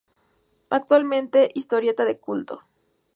Actualmente, historieta de culto.